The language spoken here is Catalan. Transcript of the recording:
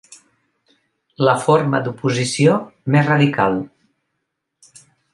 La forma d'oposició més radical.